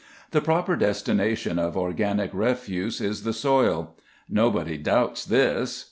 The proper destination of organic refuse is the soil. Nobody doubts this.